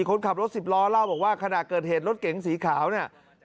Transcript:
คนขับรถสิบล้อเล่าบอกว่าขณะเกิดเหตุรถเก๋งสีขาวเนี่ย